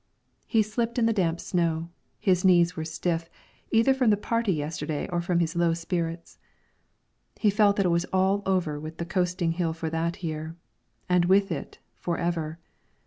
He slipped in the damp snow, his knees were stiff, either from the party yesterday or from his low spirits; he felt that it was all over with the coasting hill for that year, and with it, forever.